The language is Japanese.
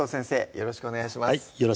よろしくお願いします